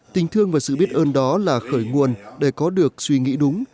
tình thương và sự biết ơn đó là khởi nguồn để có được suy nghĩ đúng